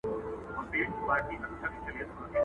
دا د قسمت په حوادثو کي پېیلی وطن٫